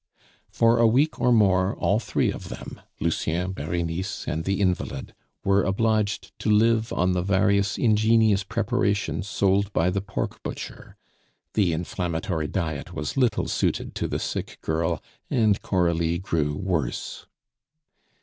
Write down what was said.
For a week or more all three of them Lucien, Berenice, and the invalid were obliged to live on the various ingenious preparations sold by the pork butcher; the inflammatory diet was little suited to the sick girl, and Coralie grew worse.